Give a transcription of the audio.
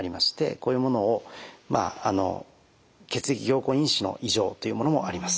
こういうもの血液凝固因子の異常というものもあります。